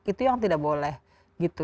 itu yang tidak boleh gitu